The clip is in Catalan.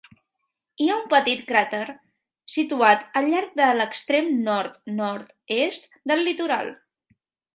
Hi ha un petit cràter situat al llarg de l'extrem nord-nord-est del litoral.